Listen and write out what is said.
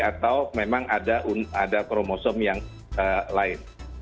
atau memang ada kromosom yang lain